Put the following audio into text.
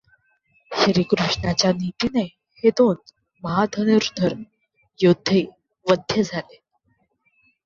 श्रीकृष्णाच्या नीतीने हे दोन महाधनुर्धर योध्दे वध्य झाले.